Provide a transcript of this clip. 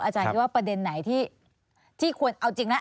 อาจารย์คิดว่าประเด็นไหนที่ควรเอาจริงแล้ว